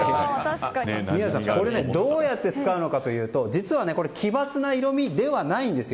宮司さん、これ、どうやって使うのかというと実は、奇抜な色味ではないんです。